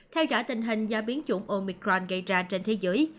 theo cả tình hình do biến chủng omicron gây ra trên thế giới